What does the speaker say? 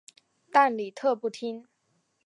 但李特不听。